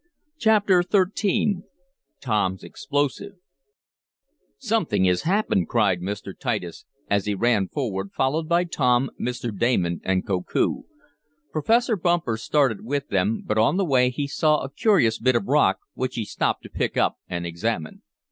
Chapter XIII Tom's Explosive "Something has happened!" cried Mr. Titus as he ran forward, followed by Tom, Mr. Damon and Koku. Professor Bumper started with them, but on the way he saw a curious bit of rock which he stopped to pick up and examine.